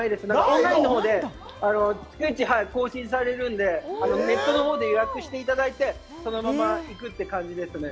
オンラインのほうで更新されるので、ネットのほうで予約していただいて、そのまま行くって感じですね。